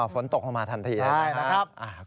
อ๋อฝนตกมาทันทีนะครับ